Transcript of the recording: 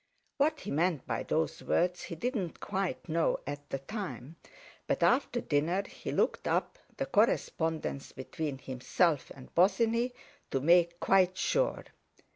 What he meant by those words he did not quite know at the time, but after dinner he looked up the correspondence between himself and Bosinney to make quite sure.